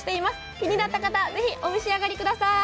気になった方、ぜひお召し上がりください。